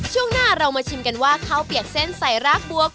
ช่วงหน้าเรามาชิมกันว่าข้าวเปียกเส้นใส่รากบัว